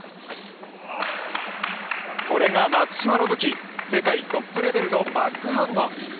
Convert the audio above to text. これが松島の武器世界トップレベルのバックハンド。